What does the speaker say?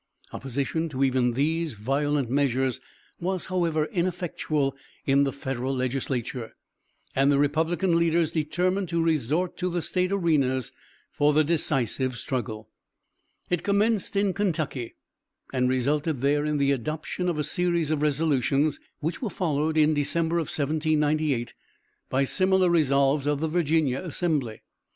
Opposition to even these violent measures was however ineffectual in the Federal legislature; and the Republican leaders determined to resort to the State arenas for the decisive struggle. It commenced in Kentucky, and resulted there in the adoption of a series of resolutions, which were followed, in December, 1798, by similar resolves of the Virginia Assembly.